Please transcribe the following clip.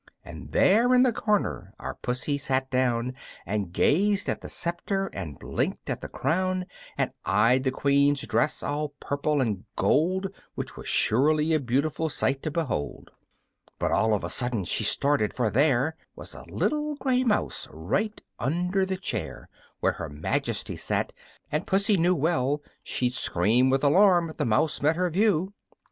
And there in the corner our Pussy sat down, And gazed at the scepter and blinked at the crown, And eyed the Queen's dress, all purple and gold; Which was surely a beautiful sight to behold. But all of a sudden she started, for there Was a little gray mouse, right under the chair Where her Majesty sat, and Pussy well knew She'd scream with alarm if the mouse met her view.